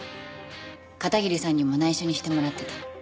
片桐さんにも内緒にしてもらってた。